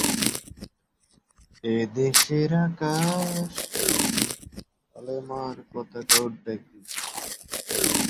এ মৌসুমে দুইবার ব্যক্তিগত সর্বোচ্চ রান করেন।